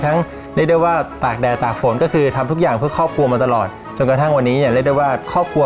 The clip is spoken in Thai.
ที่เขาได้มอบธุรกิจนั้นให้เราสารต่อค่ะ